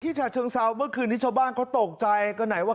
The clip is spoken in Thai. ฉะเชิงเซาเมื่อคืนนี้ชาวบ้านเขาตกใจก็ไหนว่า